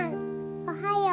おはよう。